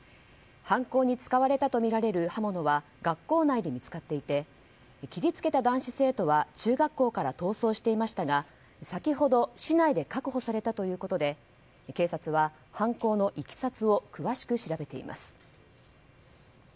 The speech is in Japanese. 犯行に使われとみられる刃物は学校内で見つかっていて切りつけた男子生徒は中学校から逃走していましたが先ほど市内で確保されたということで警察は犯行のいきさつを詳しく調べています。